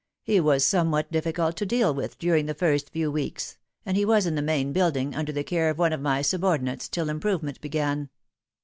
He was somewhat difficult to deal with during the first few weeks, and he was in the main building, under the care of one of my subordinates, till improvement began.